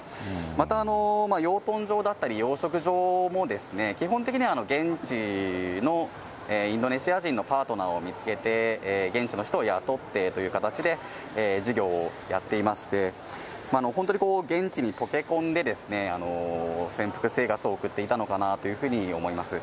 また、養豚場だったり、養殖場も、基本的には現地のインドネシア人のパートナーを見つけて、現地の人を雇ってという形で事業をやっていまして、本当に現地にとけ込んで、潜伏生活を送っていたのかなというふうに思います。